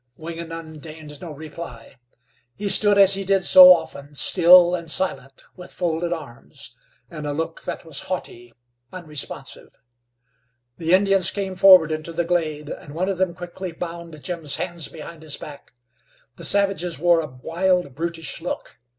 Wingenund deigned no reply. He stood as he did so often, still and silent, with folded arms, and a look that was haughty, unresponsive. The Indians came forward into the glade, and one of them quickly bound Jim's hands behind his back. The savages wore a wild, brutish look.